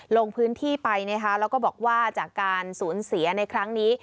ลงพื้นที่ไปนะคะแล้วก็บอกว่าจากการสูญเสียในครั้งนี้